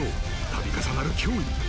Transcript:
度重なる脅威。